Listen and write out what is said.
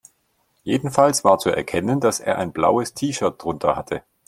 Jedenfalls war zu erkennen, dass er ein blaues T-Shirt drunter hatte.